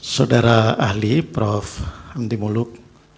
saudara ahli prof mdi muluk